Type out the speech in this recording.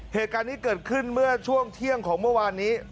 เหตุการณ์นี้เกิดขึ้นเมื่อช่วงเที่ยงของเมื่อวานนี้